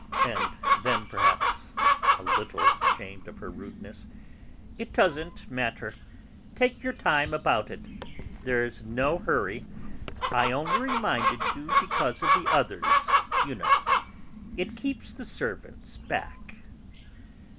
And then, perhaps a little ashamed of her rudeness, "It doesn't matter; take your time about it; there's no hurry; I only reminded you because of the others, you know; it keeps the servants back."